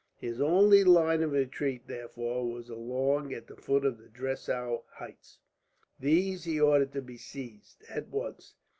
His only line of retreat, therefore, was along at the foot of the Dressau heights. These he ordered to be seized, at once.